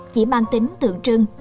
chỉ mang tính tượng trưng